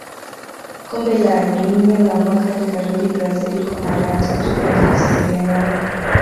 Kombe la dunia la mwaka likarudi brazil kwa mara ya tatu kwenye historia yao